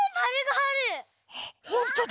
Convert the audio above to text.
あっほんとだ